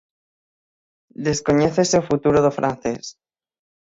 Descoñécese o futuro do francés.